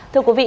thưa quý vị